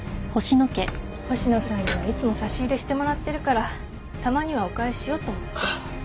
星野さんにはいつも差し入れしてもらってるからたまにはお返しをと思って。